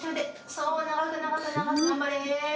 そう、長く長く長く、頑張れ！